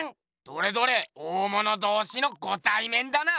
どれどれ大物同士のごたいめんだな。